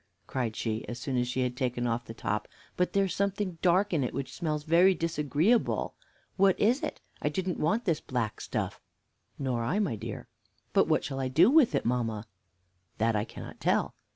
cried she, as soon as she had taken off the top, "but there's something dark in it which smells very disagreeably. What is it? I didn't want this black stuff." "Nor I, my dear." "But what shall I do with it, mamma?" "That I cannot tell."